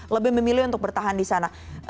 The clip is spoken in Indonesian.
lebih memilih untuk bertahan di sana